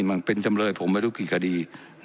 มันเป็นจำเลยผมไม่รู้กี่คดี